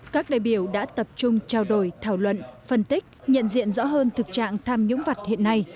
các đại biểu đã tập trung trao đổi thảo luận phân tích nhận diện rõ hơn thực trạng tham nhũng vật hiện nay